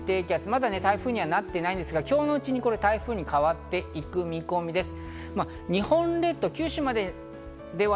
まだ台風にはなっていないですが、今日のうちに台風に変わっていく見込みです。